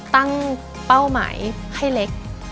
เป้าหมายให้เล็ก